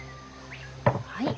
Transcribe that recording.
はい。